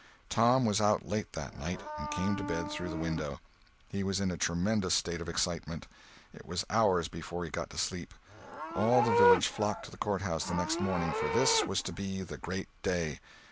Tom was out late, that night, and came to bed through the window. He was in a tremendous state of excitement. It was hours before he got to sleep. All the village flocked to the courthouse the next morning, for this was to be the great day.